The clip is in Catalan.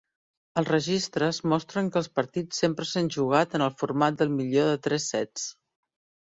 Els registres mostren que els partits sempre s'han jugat en el format del millor de tres sets.